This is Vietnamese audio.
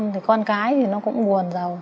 thì con cái thì nó cũng buồn rồi